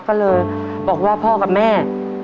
ก็เลยบอกว่าพ่อกับแม่